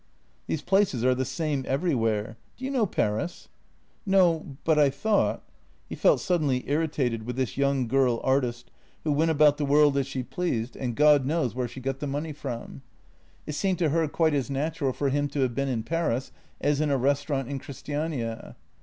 " These places are the same everywhere. Do you know Paris? "" No, but I thought. ..." He felt suddenly irritated with this young girl artist who went about the world as she pleased JENNY 3i — and God knows where she got the money from. It seemed to her quite as natural for him to have been in Paris as in a restaurant in Christiania.